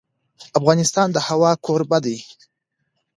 افغانستان د هوا کوربه دی.